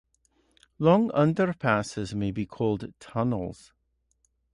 Long underpasses may be called tunnels.